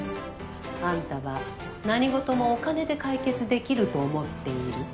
あんたは何事もお金で解決できると思っている。